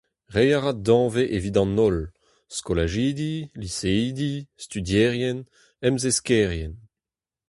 Reiñ a ra danvez evit an holl :skolajidi, liseidi, studierien, emzeskerien.